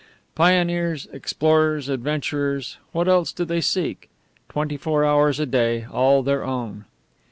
Pioneers, explorers, adventurers what else do they seek? Twenty four hours a day, all their own!